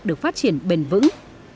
được phát triển bền vững